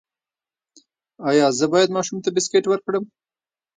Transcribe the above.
ایا زه باید ماشوم ته بسکټ ورکړم؟